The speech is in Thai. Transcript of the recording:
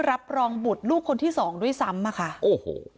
รับรองบุตรลูกคนที่สองด้วยซ้ำอ่ะค่ะโอ้โห